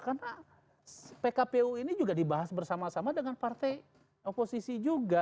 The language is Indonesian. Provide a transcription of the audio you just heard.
karena pkpu ini juga dibahas bersama sama dengan partai oposisi juga